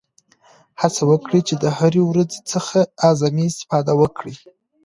هڅه وکړئ چې د هرې ورځې څخه اعظمي استفاده وکړئ.